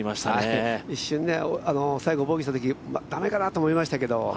一瞬、最後ボギーしたとき駄目かなと思いましたけど